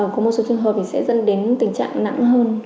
có một số trường hợp thì sẽ dẫn đến tình trạng nặng hơn